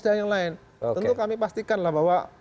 dan yang lain tentu kami pastikanlah bahwa